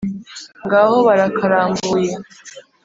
ngaho barakarambuye,